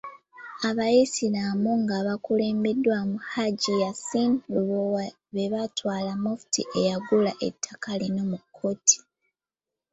Abayisiraamu nga bakulembeddwamu Hajji Yasin Lubowa be baatwala Mufti eyagula ettaka lino mu kkooti .